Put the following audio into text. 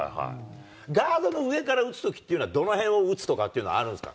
ガードの上から打つときっていうのは、どの辺を打つとかっていうのはあるんですか？